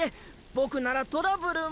ボクならトラブルも。